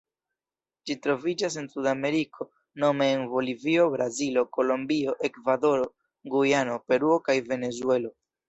Ĝi troviĝas en Sudameriko nome en Bolivio, Brazilo, Kolombio, Ekvadoro, Gujano, Peruo kaj Venezuelo.